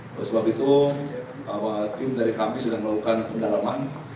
oleh sebab itu tim dari kami sedang melakukan pendalaman